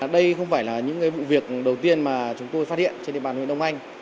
đây không phải là những vụ việc đầu tiên mà chúng tôi phát hiện trên địa bàn huyện đông anh